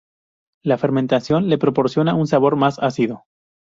La fermentación le proporciona un sabor más ácido.